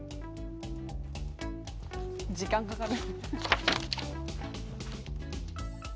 時間かかる。